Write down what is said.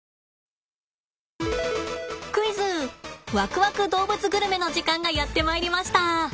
クイズわくわく動物グルメの時間がやってまいりました！